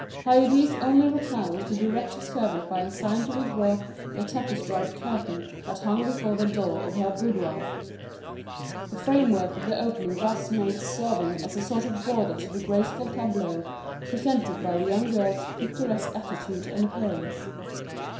Haydée's only reply was to direct her servant by a sign to withdraw the tapestried curtain that hung before the door of her boudoir, the framework of the opening thus made serving as a sort of border to the graceful tableau presented by the young girl's picturesque attitude and appearance.